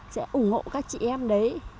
sẽ ủng hộ các chị em đấy